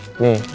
oh itu sama